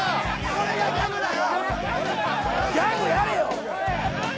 ・これがギャグだよ！